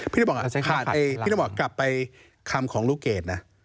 พี่ต้องบอกกลับไปคำของลูกเกดนะ